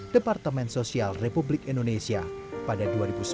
departemen sosial republik indonesia pada dua ribu sepuluh